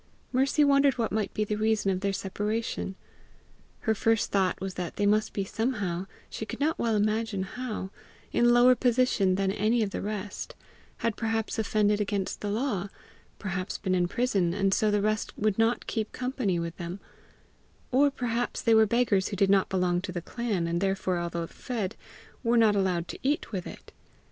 Mercy wondered what might be the reason of their separation. Her first thought was that they must be somehow, she could not well imagine how, in lower position than any of the rest had perhaps offended against the law, perhaps been in prison, and so the rest would not keep company with them; or perhaps they were beggars who did not belong to the clan, and therefore, although fed, were not allowed to eat with it!